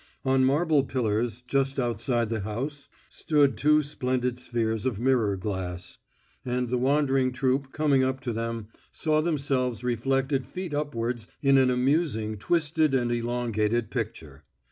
On marble pillars just outside the house stood two splendid spheres of mirror glass, and the wandering troupe, coming up to them, saw themselves reflected feet upwards in an amusing twisted and elongated picture.